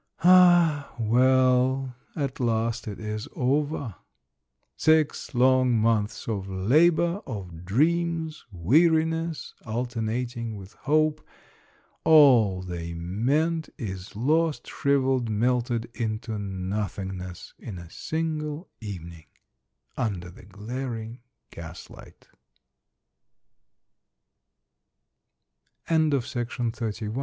Ah, well ! At last it is over. Six long months of labor, of dreams, weariness alternating with hope, all they meant is lost, shrivelled, melted into nothingness in a single evening, under the gl